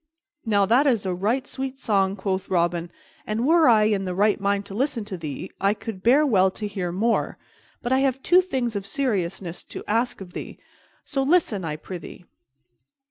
"Now that is a right sweet song," quoth Robin, "and, were I in the right mind to listen to thee, I could bear well to hear more; but I have two things of seriousness to ask of thee; so listen, I prythee."